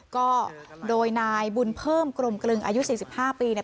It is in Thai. ก็โดยนายบุญเพิ่มกรมกลึงอายุ๔๕ปีเนี่ย